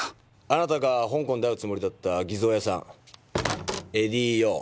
あなたが香港で会うつもりだった偽造屋さんエディ・ヨー。